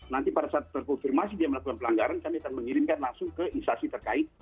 nanti pada saat terkonfirmasi dia melakukan pelanggaran kami akan mengirimkan langsung ke instasi terkait